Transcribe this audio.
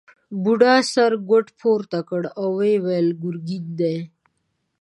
بوډا سره کوټ پورته کړ او وویل ګرګین دی.